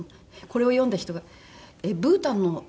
これを読んだ人がブータンの国のお話かと。